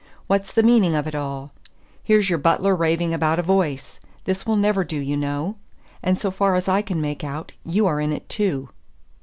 "What's the meaning of it all? Here's your butler raving about a voice. This will never do, you know; and so far as I can make out, you are in it too."